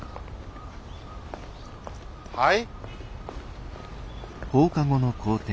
はい？